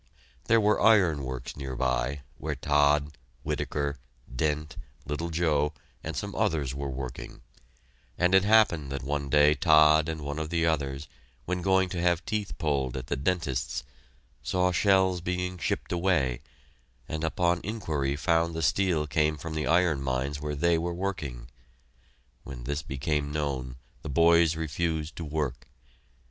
There were iron works near by, where Todd, Whittaker, Dent, little Joe, and some others were working, and it happened that one day Todd and one of the others, when going to have teeth pulled at the dentist's, saw shells being shipped away, and upon inquiry found the steel came from the iron mines where they were working. When this became known, the boys refused to work!